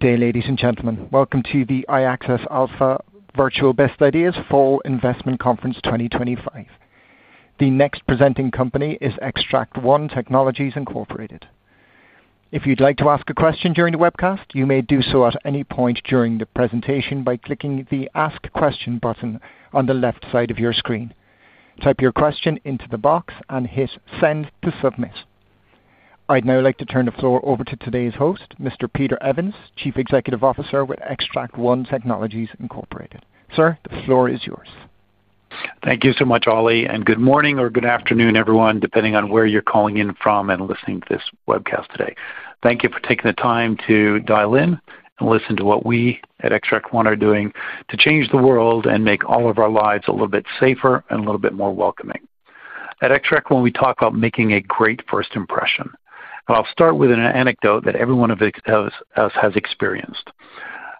Good day, ladies and gentlemen. Welcome to the Iaxcess Alpha Virtual Best Ideas Fall Investment Conference 2025. The next presenting company is Xtract One Technologies Incorporated. If you'd like to ask a question during the webcast, you may do so at any point during the presentation by clicking the Ask Question button on the left side of your screen. Type your question into the box and hit Send to submit. I'd now like to turn the floor over to today's host, Mr. Peter Evans, Chief Executive Officer with Xtract One Technologies Incorporated. Sir, the floor is yours. Thank you so much, Ollie, and good morning or good afternoon, everyone, depending on where you're calling in from and listening to this webcast today. Thank you for taking the time to dial in and listen to what we at Xtract One Technologies are doing to change the world and make all of our lives a little bit safer and a little bit more welcoming. At Xtract One Technologies, we talk about making a great first impression. I'll start with an anecdote that every one of us has experienced.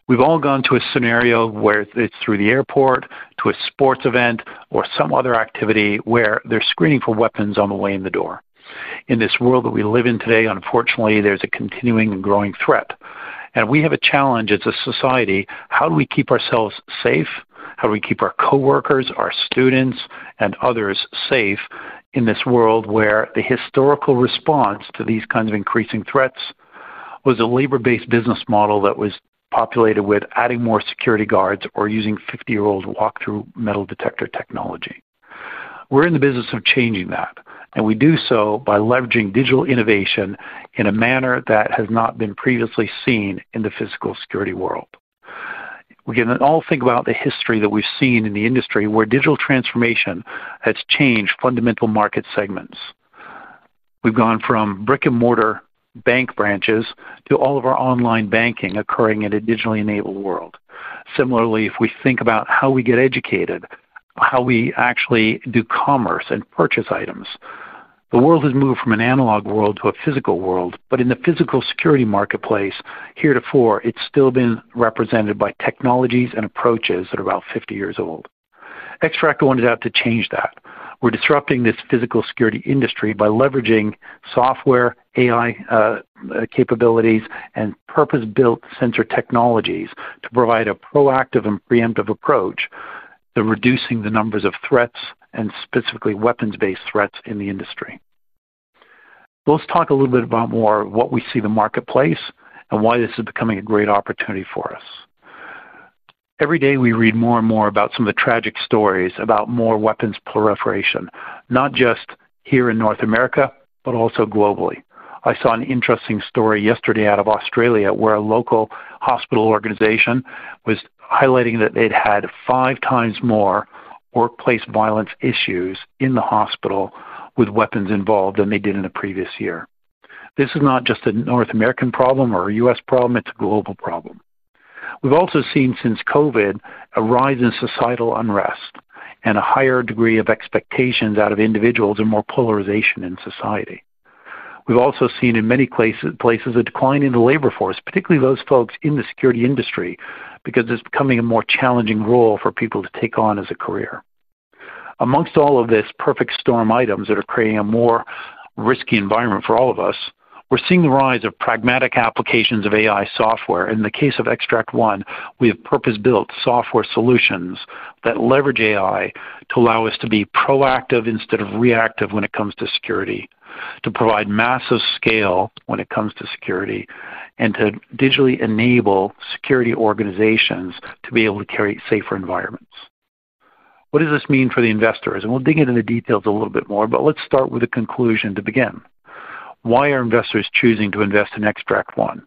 We've all gone to a scenario where it's through the airport to a sports event or some other activity where they're screening for weapons on the way in the door. In this world that we live in today, unfortunately, there's a continuing and growing threat. We have a challenge as a society. How do we keep ourselves safe? How do we keep our coworkers, our students, and others safe in this world where the historical response to these kinds of increasing threats was a labor-based business model that was populated with adding more security guards or using 50-year-old walkthrough metal detector technology? We're in the business of changing that. We do so by leveraging digital innovation in a manner that has not been previously seen in the physical security world. We can all think about the history that we've seen in the industry where digital transformation has changed fundamental market segments. We've gone from brick-and-mortar bank branches to all of our online banking occurring in a digitally enabled world. Similarly, if we think about how we get educated, how we actually do commerce and purchase items, the world has moved from an analog world to a physical world, but in the physical security marketplace heretofore, it's still been represented by technologies and approaches that are about 50 years old. Xtract One Technologies is out to change that. We're disrupting this physical security industry by leveraging software, AI capabilities, and purpose-built sensor technologies to provide a proactive and preemptive approach to reducing the numbers of threats and specifically weapons-based threats in the industry. Let's talk a little bit about more of what we see in the marketplace and why this is becoming a great opportunity for us. Every day we read more and more about some of the tragic stories about more weapons proliferation, not just here in North America, but also globally. I saw an interesting story yesterday out of Australia where a local hospital organization was highlighting that they'd had five times more workplace violence issues in the hospital with weapons involved than they did in the previous year. This is not just a North American problem or a U.S. problem, it's a global problem. We've also seen since COVID a rise in societal unrest and a higher degree of expectations out of individuals and more polarization in society. We've also seen in many places a decline in the labor force, particularly those folks in the security industry, because it's becoming a more challenging role for people to take on as a career. Amongst all of this, perfect storm items that are creating a more risky environment for all of us, we're seeing the rise of pragmatic applications of AI software. In the case of Xtract One Technologies Incorporated, we have purpose-built software solutions that leverage AI to allow us to be proactive instead of reactive when it comes to security, to provide massive scale when it comes to security, and to digitally enable security organizations to be able to carry safer environments. What does this mean for the investors? We'll dig into the details a little bit more, but let's start with a conclusion to begin. Why are investors choosing to invest in Xtract One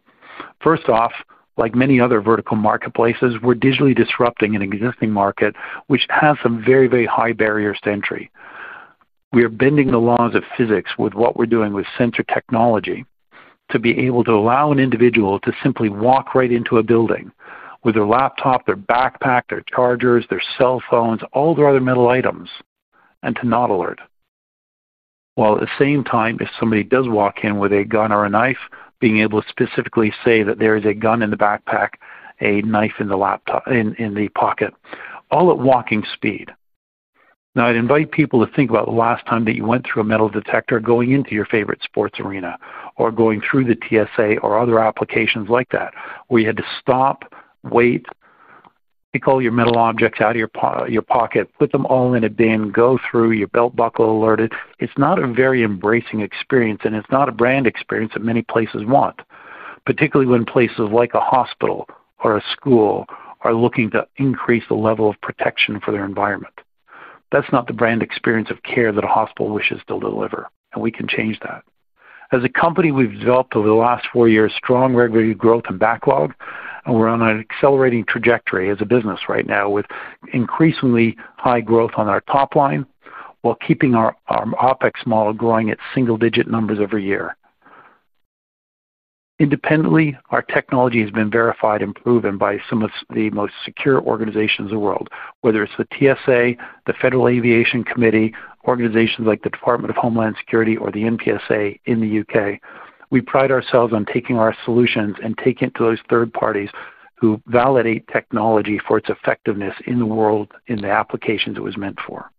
Technologies Incorporated? First off, like many other vertical marketplaces, we're digitally disrupting an existing market which has some very, very high barriers to entry. We are bending the laws of physics with what we're doing with sensor technology to be able to allow an individual to simply walk right into a building with their laptop, their backpack, their chargers, their cell phones, all their other metal items, and to not alert. While at the same time, if somebody does walk in with a gun or a knife, being able to specifically say that there is a gun in the backpack, a knife in the pocket, all at walking speed. Now I'd invite people to think about the last time that you went through a metal detector going into your favorite sports arena or going through the TSA or other applications like that where you had to stop, wait, take all your metal objects out of your pocket, put them all in a bin, go through, your belt buckle alerted. It's not a very embracing experience, and it's not a brand experience that many places want, particularly when places like a hospital or a school are looking to increase the level of protection for their environment. That's not the brand experience of care that a hospital wishes to deliver, and we can change that. As a company, we've developed over the last four years strong revenue growth and backlog, and we're on an accelerating trajectory as a business right now with increasingly high growth on our top line while keeping our OpEx model growing at single-digit numbers every year. Independently, our technology has been verified and proven by some of the most secure organizations in the world, whether it's the TSA, the Federal Aviation Administration, organizations like the Department of Homeland Security, or the National Protective Security Authority in the UK. We pride ourselves on taking our solutions and taking it to those third parties who validate technology for its effectiveness in the world in the applications it was meant for.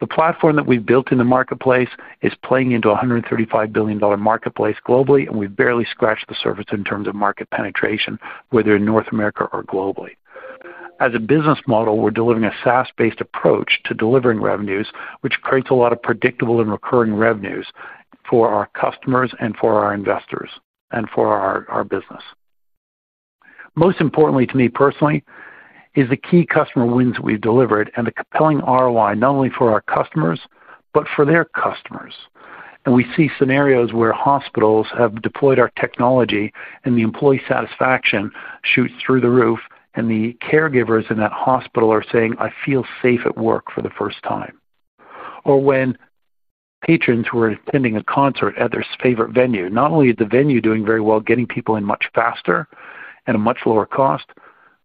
The platform that we've built in the marketplace is playing into a $135 billion marketplace globally, and we've barely scratched the surface in terms of market penetration, whether in North America or globally. As a business model, we're delivering a SaaS-based approach to delivering revenues, which creates a lot of predictable and recurring revenues for our customers and for our investors and for our business. Most importantly to me personally is the key customer wins that we've delivered and the compelling ROI not only for our customers but for their customers. We see scenarios where hospitals have deployed our technology, and the employee satisfaction shoots through the roof, and the caregivers in that hospital are saying, "I feel safe at work for the first time." When patrons who are attending a concert at their favorite venue, not only is the venue doing very well, getting people in much faster and at a much lower cost,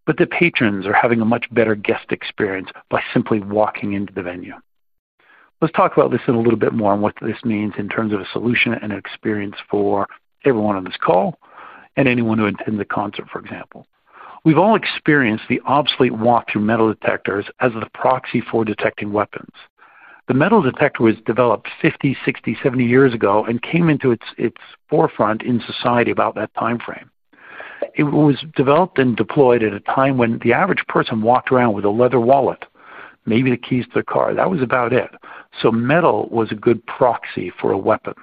but the patrons are having a much better guest experience by simply walking into the venue. Let's talk about this in a little bit more and what this means in terms of a solution and an experience for everyone on this call and anyone who attends a concert, for example. We've all experienced the obsolete walkthrough metal detectors as the proxy for detecting weapons. The metal detector was developed 50, 60, 70 years ago and came into its forefront in society about that time frame. It was developed and deployed at a time when the average person walked around with a leather wallet, maybe the keys to their car. That was about it. Metal was a good proxy for a weapon.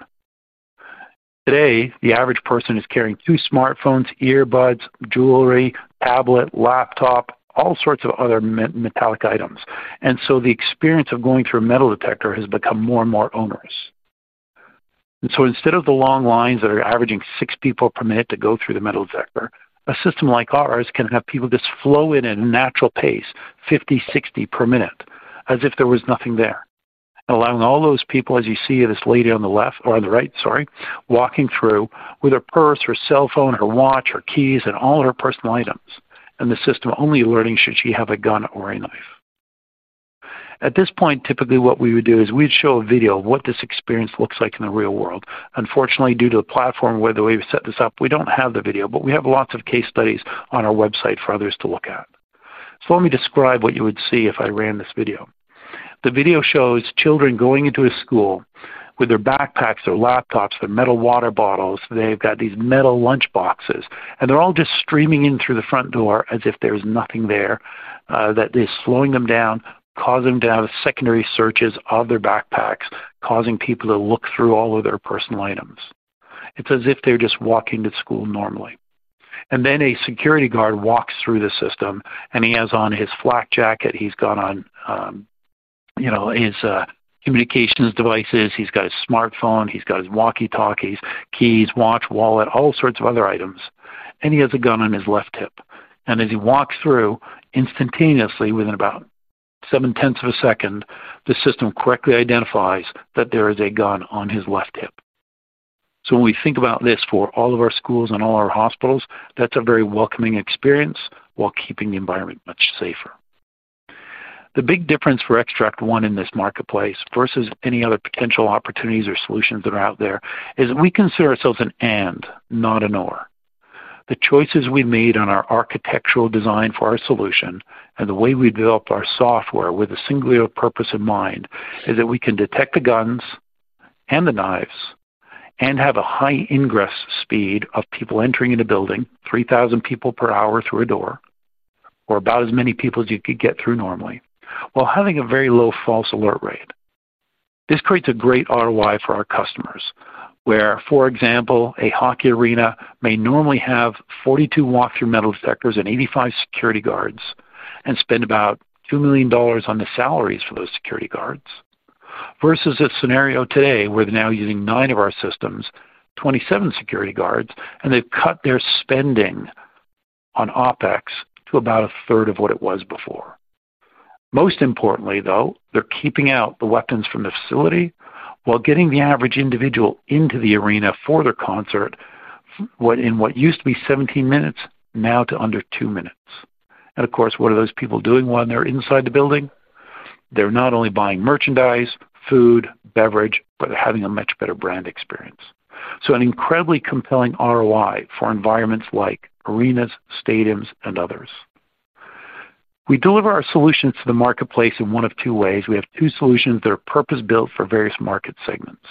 Today, the average person is carrying two smartphones, earbuds, jewelry, tablet, laptop, all sorts of other metallic items. The experience of going through a metal detector has become more and more onerous. Instead of the long lines that are averaging six people per minute to go through the metal detector, a system like ours can have people just flow in at a natural pace, 50, 60 per minute, as if there was nothing there, allowing all those people, as you see this lady on the left or on the right, sorry, walking through with her purse, her cell phone, her watch, her keys, and all her personal items, and the system only alerting should she have a gun or a knife. At this point, typically what we would do is show a video of what this experience looks like in the real world. Unfortunately, due to the platform where we've set this up, we don't have the video, but we have lots of case studies on our website for others to look at. Let me describe what you would see if I ran this video. The video shows children going into a school with their backpacks, their laptops, their metal water bottles. They've got these metal lunch boxes, and they're all just streaming in through the front door as if there's nothing there that is slowing them down, causing them to have secondary searches of their backpacks, causing people to look through all of their personal items. It's as if they're just walking to school normally. A security guard walks through the system, and he has on his flak jacket, he's got on, you know, his communications devices, he's got his smartphone, he's got his walkie-talkie, keys, watch, wallet, all sorts of other items, and he has a gun on his left hip. As he walks through, instantaneously, within about 0.7 seconds, the system correctly identifies that there is a gun on his left hip. When we think about this for all of our schools and all our hospitals, that's a very welcoming experience while keeping the environment much safer. The big difference for Xtract One Technologies in this marketplace versus any other potential opportunities or solutions that are out there is that we consider ourselves an and, not an or. The choices we've made on our architectural design for our solution and the way we develop our software with a singular purpose in mind is that we can detect the guns and the knives and have a high ingress speed of people entering in a building, 3,000 people per hour through a door, or about as many people as you could get through normally, while having a very low false alert rate. This creates a great ROI for our customers where, for example, a hockey arena may normally have 42 walkthrough metal detectors and 85 security guards and spend about $2 million on the salaries for those security guards, versus a scenario today where they're now using nine of our systems, 27 security guards, and they've cut their spending on OpEx to about a third of what it was before. Most importantly, though, they're keeping out the weapons from the facility while getting the average individual into the arena for their concert in what used to be 17 minutes, now to under two minutes. Of course, what are those people doing while they're inside the building? They're not only buying merchandise, food, beverage, but they're having a much better brand experience. An incredibly compelling ROI for environments like arenas, stadiums, and others. We deliver our solutions to the marketplace in one of two ways. We have two solutions that are purpose-built for various market segments.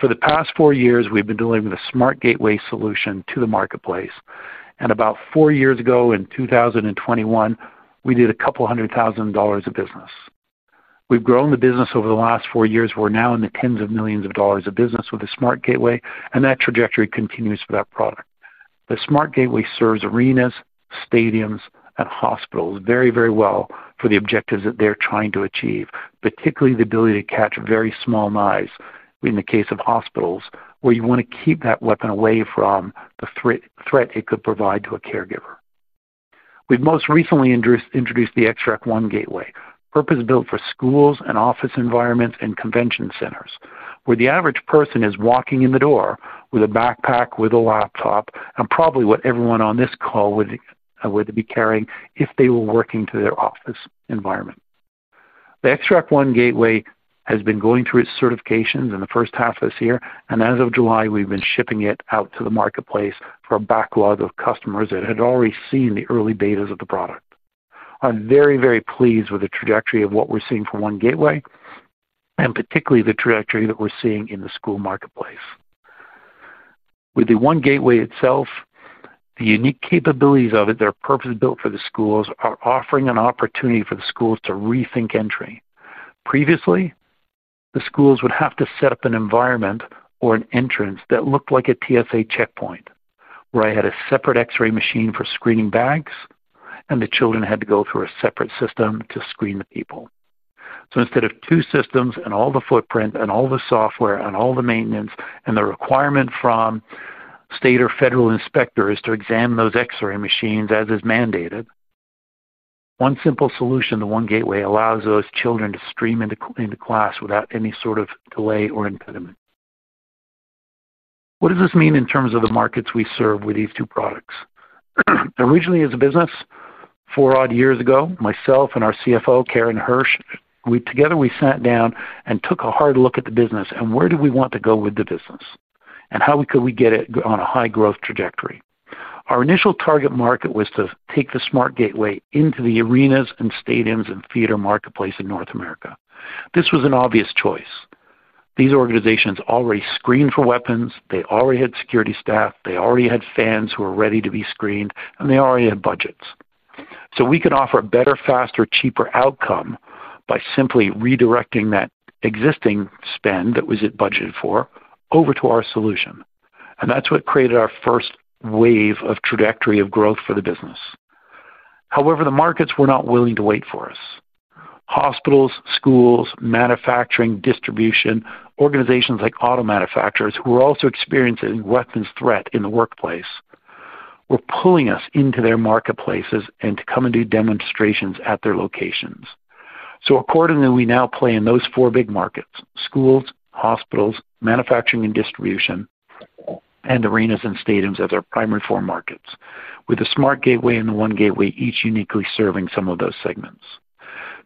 For the past four years, we've been delivering the SmartGateway solution to the marketplace. About four years ago, in 2021, we did a couple hundred thousand dollars of business. We've grown the business over the last four years. We're now in the tens of millions of dollars of business with the SmartGateway, and that trajectory continues for that product. The SmartGateway serves arenas, stadiums, and hospitals very, very well for the objectives that they're trying to achieve, particularly the ability to catch very small knives in the case of hospitals where you want to keep that weapon away from the threat it could provide to a caregiver. We've most recently introduced the Xtract One Gateway, purpose-built for schools and office environments and convention centers where the average person is walking in the door with a backpack, with a laptop, and probably what everyone on this call would be carrying if they were working to their office environment. The Xtract One Gateway has been going through its certifications in the first half of this year, and as of July, we've been shipping it out to the marketplace for a backlog of customers that had already seen the early betas of the product. I'm very, very pleased with the trajectory of what we're seeing from One Gateway and particularly the trajectory that we're seeing in the school marketplace. With the One Gateway itself, the unique capabilities of it that are purpose-built for the schools are offering an opportunity for the schools to rethink entry. Previously, the schools would have to set up an environment or an entrance that looked like a TSA checkpoint where I had a separate X-ray machine for screening bags, and the children had to go through a separate system to screen the people. Instead of two systems and all the footprint and all the software and all the maintenance and the requirement from state or federal inspectors to examine those X-ray machines as is mandated, one simple solution, the One Gateway, allows those children to stream into class without any sort of delay or impediment. What does this mean in terms of the markets we serve with these two products? Originally, as a business, four odd years ago, myself and our CFO, Karen Hersh, together we sat down and took a hard look at the business and where do we want to go with the business and how could we get it on a high growth trajectory. Our initial target market was to take the SmartGateway into the arenas and stadiums and theater marketplace in North America. This was an obvious choice. These organizations already screened for weapons, they already had security staff, they already had fans who were ready to be screened, and they already had budgets. We could offer a better, faster, cheaper outcome by simply redirecting that existing spend that was budgeted for over to our solution. That's what created our first wave of trajectory of growth for the business. However, the markets were not willing to wait for us. Hospitals, schools, manufacturing, distribution, organizations like auto manufacturers who were also experiencing weapons threat in the workplace were pulling us into their marketplaces and to come and do demonstrations at their locations. Accordingly, we now play in those four big markets: schools, hospitals, manufacturing and distribution, and arenas and stadiums as our primary four markets, with the SmartGateway and the Xtract One Gateway each uniquely serving some of those segments.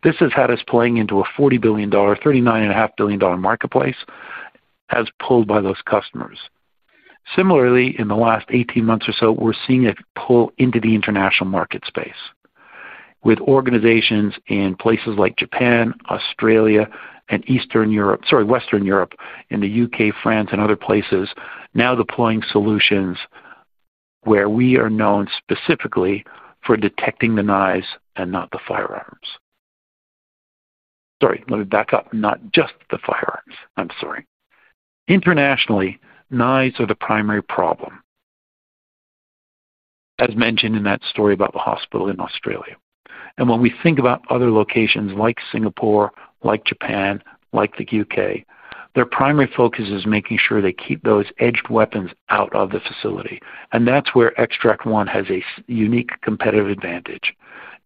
This has had us playing into a $40 billion, $39.5 billion marketplace as pulled by those customers. Similarly, in the last 18 months or so, we're seeing a pull into the international market space with organizations in places like Japan, Australia, and Western Europe, in the UK, France, and other places now deploying solutions where we are known specifically for detecting the knives and not just the firearms. Internationally, knives are the primary problem, as mentioned in that story about the hospital in Australia. When we think about other locations like Singapore, Japan, and the UK, their primary focus is making sure they keep those edged weapons out of the facility. That's where Xtract One has a unique competitive advantage.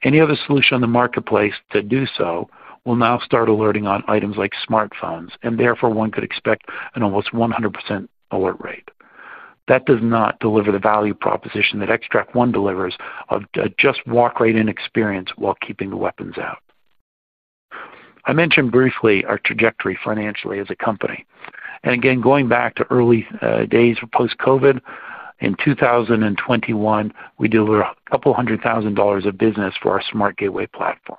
Any other solution in the marketplace to do so will now start alerting on items like smartphones, and therefore one could expect an almost 100% alert rate. That does not deliver the value proposition that Xtract One delivers of just walk right in experience while keeping the weapons out. I mentioned briefly our trajectory financially as a company. Going back to early days post-COVID, in 2021, we delivered a couple hundred thousand dollars of business for our SmartGateway platform.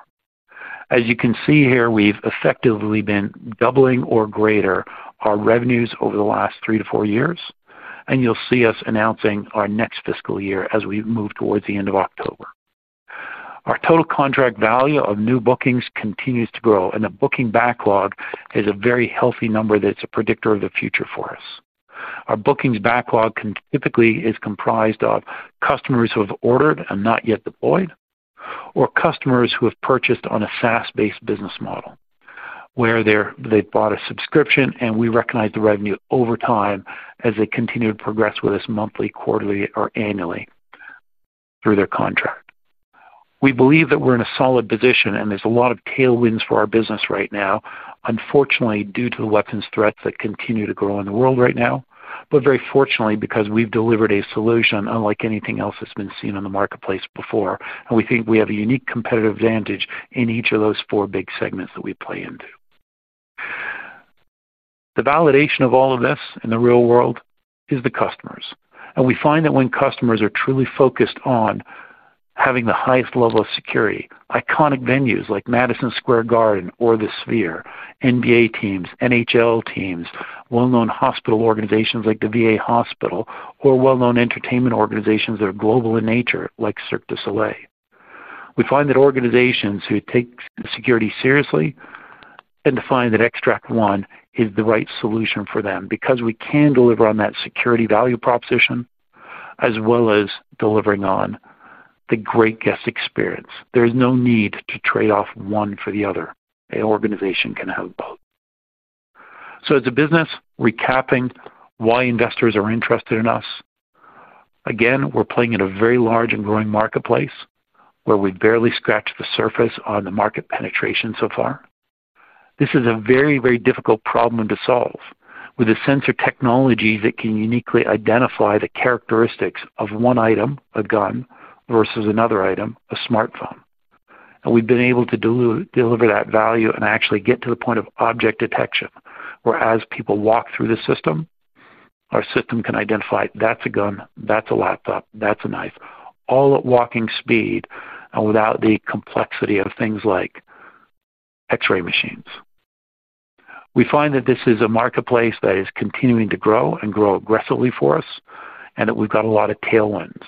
As you can see here, we've effectively been doubling or greater our revenues over the last three to four years. You'll see us announcing our next fiscal year as we move towards the end of October. Our total contract value of new bookings continues to grow, and the booking backlog is a very healthy number that's a predictor of the future for us. Our bookings backlog typically is comprised of customers who have ordered and not yet deployed or customers who have purchased on a SaaS-based business model where they bought a subscription and we recognize the revenue over time as they continue to progress with us monthly, quarterly, or annually through their contract. We believe that we're in a solid position, and there's a lot of tailwinds for our business right now, unfortunately, due to the weapons threats that continue to grow in the world right now, but very fortunately because we've delivered a solution unlike anything else that's been seen in the marketplace before. We think we have a unique competitive advantage in each of those four big segments that we play into. The validation of all of this in the real world is the customers. We find that when customers are truly focused on having the highest level of security, iconic venues like Madison Square Garden or the Sphere, NBA teams, NHL teams, well-known hospital organizations like the VA Hospital, or well-known entertainment organizations that are global in nature like Cirque du Soleil, we find that organizations who take security seriously and define that Xtract One is the right solution for them because we can deliver on that security value proposition as well as delivering on the great guest experience. There is no need to trade off one for the other. An organization can have both. As a business, recapping why investors are interested in us, again, we're playing in a very large and growing marketplace where we barely scratched the surface on the market penetration so far. This is a very, very difficult problem to solve with the sensor technologies that can uniquely identify the characteristics of one item, a gun, versus another item, a smartphone. We've been able to deliver that value and actually get to the point of object detection where as people walk through the system, our system can identify that's a gun, that's a laptop, that's a knife, all at walking speed and without the complexity of things like X-ray machines. We find that this is a marketplace that is continuing to grow and grow aggressively for us and that we've got a lot of tailwinds.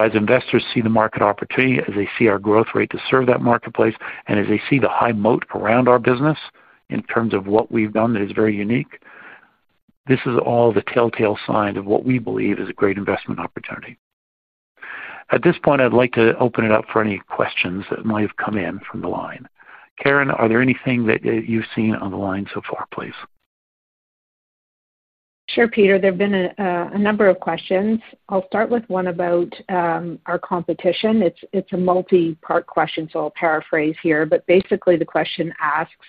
As investors see the market opportunity, as they see our growth rate to serve that marketplace, and as they see the high moat around our business in terms of what we've done that is very unique, this is all the telltale signs of what we believe is a great investment opportunity. At this point, I'd like to open it up for any questions that might have come in from the line. Karen, are there anything that you've seen on the line so far, please? Sure, Peter. There have been a number of questions. I'll start with one about our competition. It's a multi-part question, so I'll paraphrase here. Basically, the question asks,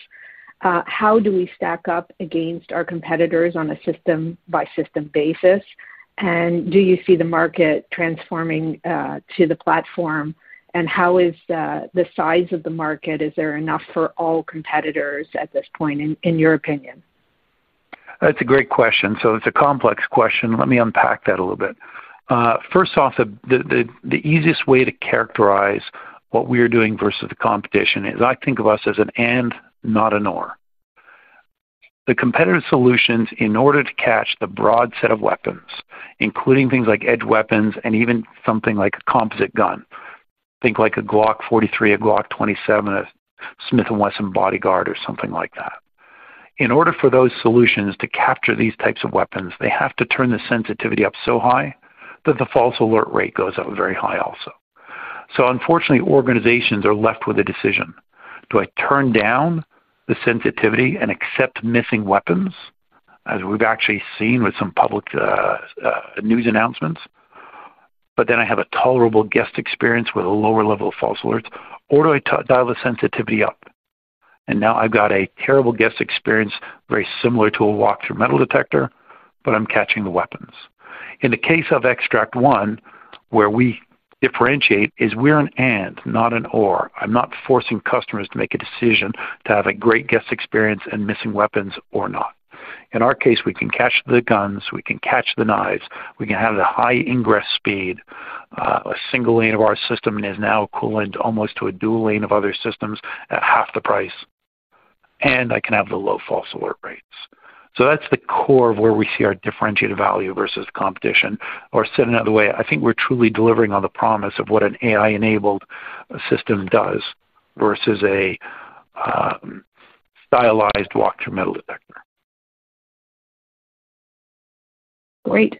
how do we stack up against our competitors on a system-by-system basis? Do you see the market transforming to the platform? How is the size of the market? Is there enough for all competitors at this point, in your opinion? That's a great question. It's a complex question. Let me unpack that a little bit. First off, the easiest way to characterize what we are doing versus the competition is I think of us as an and, not an or. The competitive solutions, in order to catch the broad set of weapons, including things like edged weapons and even something like a composite gun, think like a Glock 43, a Glock 27, a Smith & Wesson Bodyguard, or something like that. In order for those solutions to capture these types of weapons, they have to turn the sensitivity up so high that the false alert rate goes up very high also. Unfortunately, organizations are left with a decision. Do I turn down the sensitivity and accept missing weapons, as we've actually seen with some public news announcements, but then I have a tolerable guest experience with a lower level of false alerts, or do I dial the sensitivity up? Now I've got a terrible guest experience, very similar to a walkthrough metal detector, but I'm catching the weapons. In the case of Xtract One Technologies, where we differentiate is we're an and, not an or. I'm not forcing customers to make a decision to have a great guest experience and missing weapons or not. In our case, we can catch the guns, we can catch the knives, we can have the high ingress speed. A single lane of our system is now equivalent almost to a dual lane of other systems at half the price. I can have the low false alert rates. That's the core of where we see our differentiated value versus the competition. Said another way, I think we're truly delivering on the promise of what an AI-powered threat detection system does versus a stylized walkthrough metal detector. Great.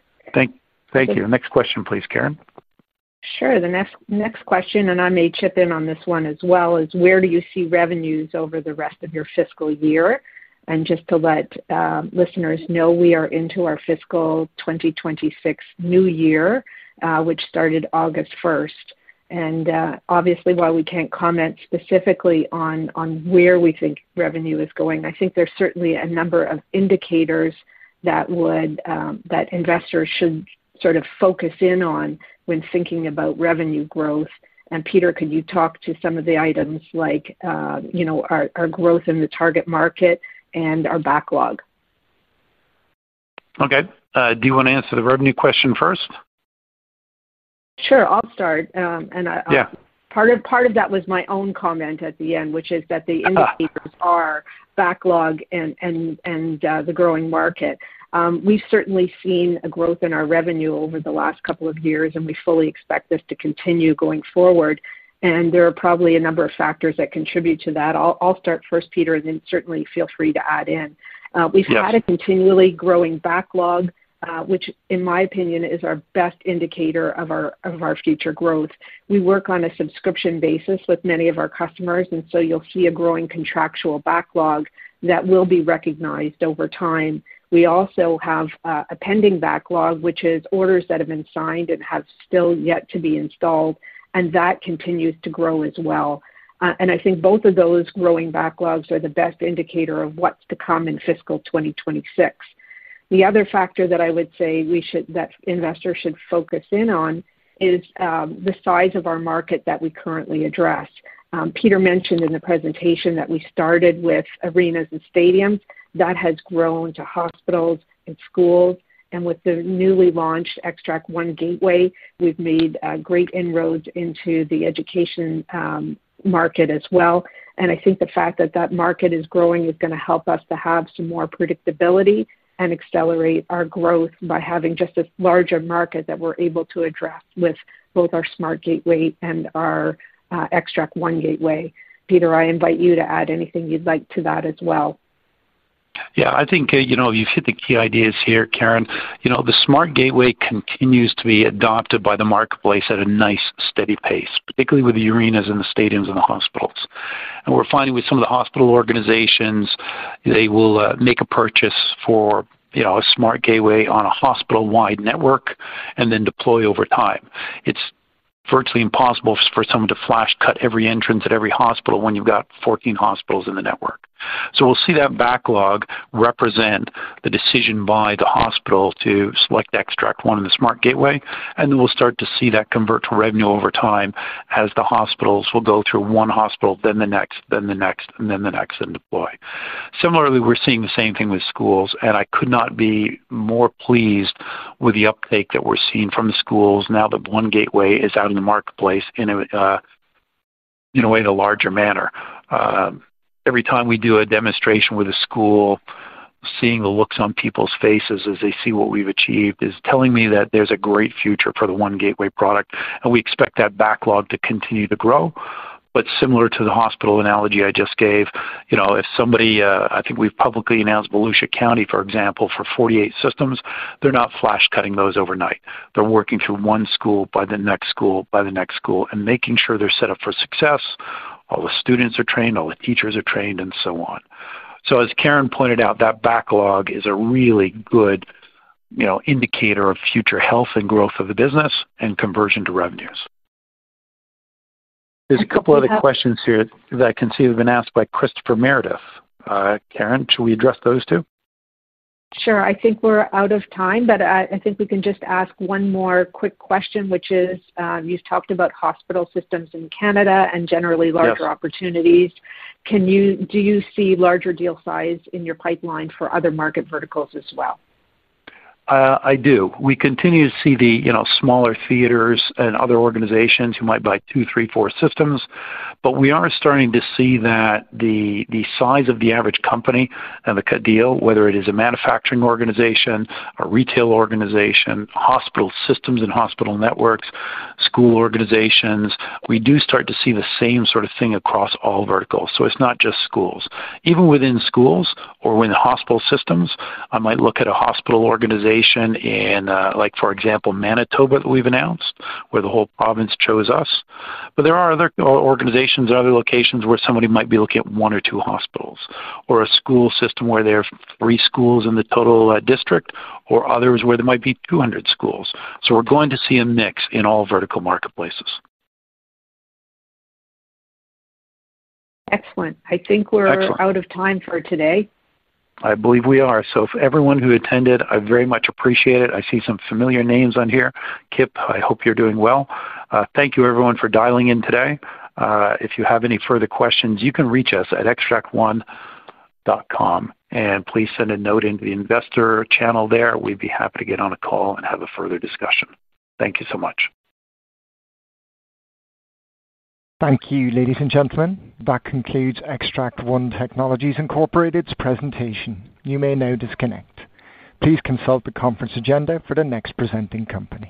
Thank you. Next question, please, Karen. Sure. The next question, and I may chip in on this one as well, is where do you see revenues over the rest of your fiscal year? Just to let listeners know, we are into our fiscal 2026 new year, which started August 1. Obviously, while we can't comment specifically on where we think revenue is going, I think there's certainly a number of indicators that investors should sort of focus in on when thinking about revenue growth. Peter, could you talk to some of the items like, you know, our growth in the target market and our backlog? Okay. Do you want to answer the revenue question first? Sure. I'll start. Part of that was my own comment at the end, which is that the indicators are backlog and the growing market. We've certainly seen a growth in our revenue over the last couple of years, and we fully expect this to continue going forward. There are probably a number of factors that contribute to that. I'll start first, Peter, and then certainly feel free to add in. We've had a continually growing backlog, which in my opinion is our best indicator of our future growth. We work on a subscription basis with many of our customers, so you'll see a growing contractual backlog that will be recognized over time. We also have a pending backlog, which is orders that have been signed and have still yet to be installed, and that continues to grow as well. I think both of those growing backlogs are the best indicator of what's to come in fiscal 2026. The other factor that I would say that investors should focus in on is the size of our market that we currently address. Peter mentioned in the presentation that we started with arenas and stadiums. That has grown to hospitals and schools. With the newly launched Xtract One Gateway, we've made great inroads into the education market as well. I think the fact that that market is growing is going to help us to have some more predictability and accelerate our growth by having just a larger market that we're able to address with both our SmartGateway and our Xtract One Gateway. Peter, I invite you to add anything you'd like to that as well. Yeah, I think you've hit the key ideas here, Karen. The SmartGateway continues to be adopted by the marketplace at a nice steady pace, particularly with the arenas, the stadiums, and the hospitals. We're finding with some of the hospital organizations, they will make a purchase for a SmartGateway on a hospital-wide network and then deploy over time. It's virtually impossible for someone to flash cut every entrance at every hospital when you've got 14 hospitals in the network. We'll see that backlog represent the decision by the hospital to select Xtract One and the SmartGateway. Then we'll start to see that convert to revenue over time as the hospitals will go through one hospital, then the next, then the next, and then the next, and deploy. Similarly, we're seeing the same thing with schools. I could not be more pleased with the uptake that we're seeing from the schools now that Xtract One Gateway is out in the marketplace in a larger manner. Every time we do a demonstration with a school, seeing the looks on people's faces as they see what we've achieved is telling me that there's a great future for the Xtract One Gateway product. We expect that backlog to continue to grow. Similar to the hospital analogy I just gave, if somebody, I think we've publicly announced Volusia County, for example, for 48 systems, they're not flash cutting those overnight. They're working through one school by the next school by the next school and making sure they're set up for success. All the students are trained, all the teachers are trained, and so on. As Karen pointed out, that backlog is a really good indicator of future health and growth of the business and conversion to revenues. There are a couple of other questions here that I can see have been asked by Christopher Meredith. Karen, should we address those too? Sure. I think we're out of time, but I think we can just ask one more quick question, which is you've talked about hospital systems in Canada and generally larger opportunities. Can you, do you see larger deal size in your pipeline for other market verticals as well? We continue to see the, you know, smaller theaters and other organizations who might buy two, three, four systems. We are starting to see that the size of the average company and the cut deal, whether it is a manufacturing organization, a retail organization, hospital systems and hospital networks, school organizations, we do start to see the same sort of thing across all verticals. It's not just schools. Even within schools or within hospital systems, I might look at a hospital organization in, like, for example, Manitoba that we've announced where the whole province chose us. There are other organizations and other locations where somebody might be looking at one or two hospitals or a school system where there are three schools in the total district or others where there might be 200 schools. We're going to see a mix in all vertical marketplaces. Excellent. I think we're out of time for today. I believe we are. If everyone who attended, I very much appreciate it. I see some familiar names on here. Kip, I hope you're doing well. Thank you, everyone, for dialing in today. If you have any further questions, you can reach us at xtractone.com. Please send a note into the investor channel there. We'd be happy to get on a call and have a further discussion. Thank you so much. Thank you, ladies and gentlemen. That concludes Xtract One Technologies Incorporated's presentation. You may now disconnect. Please consult the conference agenda for the next presenting company.